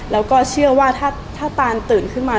แล้วก็เชื่อว่าถ้าตานตื่นขึ้นมา